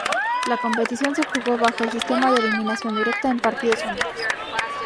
La competición se jugó bajo el sistema de eliminación directa, en partidos únicos.